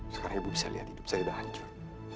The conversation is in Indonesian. sekarang ibu bisa lihat hidup saya udah hancur